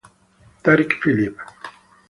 Tarik Phillip